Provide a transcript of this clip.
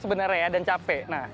sebenarnya dan capek